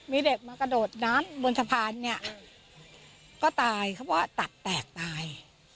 มีเด็กมากระโดดน้ำบนสะพานเนี่ยก็ตายเขาบอกว่าตัดแตกตาย